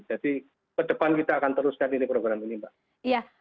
jadi ke depan kita akan teruskan program ini mbak